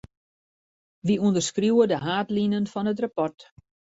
Wy ûnderskriuwe de haadlinen fan it rapport.